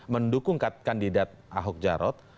mendukung kandidat ahok jarok